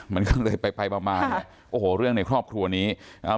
มันก็เลยไปไปมามาเนี่ยโอ้โหเรื่องในครอบครัวนี้อ่า